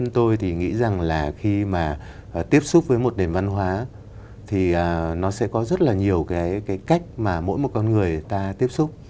tôi thì nghĩ rằng là khi mà tiếp xúc với một nền văn hóa thì nó sẽ có rất là nhiều cái cách mà mỗi một con người ta tiếp xúc